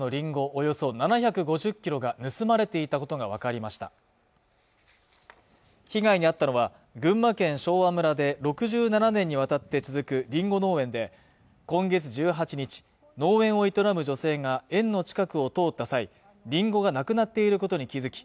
およそ７５０ｋｇが盗まれていたことが分かりました被害に遭ったのは群馬県昭和村で６７年にわたって続くリンゴ農園で今月１８日農園を営む女性が園の近くを通った際リンゴがなくなっていることに気付き